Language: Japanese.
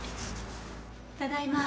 ただいま。